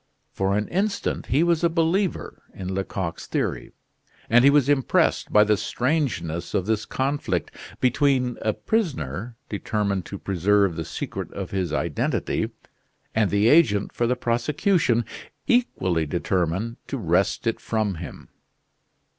For an instant he was a believer in Lecoq's theory; and he was impressed by the strangeness of this conflict between a prisoner, determined to preserve the secret of his identity, and the agent for the prosecution, equally determined to wrest it from him.